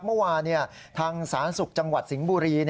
เมื่อวานทางสาธารณสุขจังหวัดสิงห์บุรี